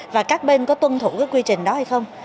và các bên có tuân thủ cái quy trình đó hay không